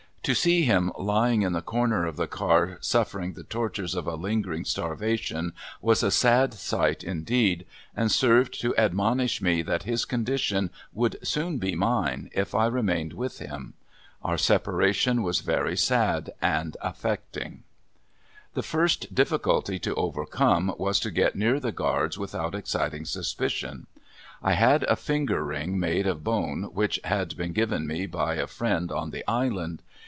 To see him lying in the corner of the car suffering the tortures of a lingering starvation was a sad sight indeed, and served to admonish me that his condition would soon be mine if I remained with him. Our separation was very sad and affecting. The first difficulty to overcome was to get near the guards without exciting suspicion. I had a finger ring made of bone which had been given to me by a friend on the Island.